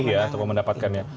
meraih ya atau mendapatkan ya